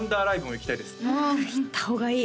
行った方がいい